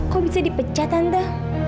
kok bisa dipecat tante